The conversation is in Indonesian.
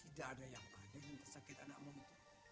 tidak ada yang aneh yang tersakit anakmu itu